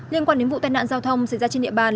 liên quan đến vụ tai nạn giao thông xảy ra trên địa bàn